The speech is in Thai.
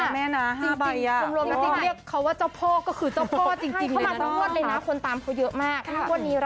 แม่น้าห้าใบอ่ะจริงจริงจริงจริงเรียกเขาว่าเจ้าพ่อก็คือเจ้าพ่อจริงจริงเลยนะให้เข้ามาคุณมวดเลยนะ